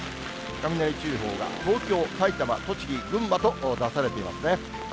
雷注意報が東京、埼玉、栃木、群馬と出されていますね。